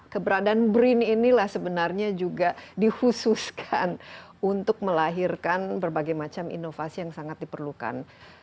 keberadaan brin inilah sebenarnya juga dihususkan untuk melahirkan berbagai macam inovasi yang sangat diperlukan